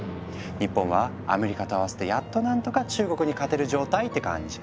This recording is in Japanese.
日本はアメリカと合わせてやっと何とか中国に勝てる状態って感じ。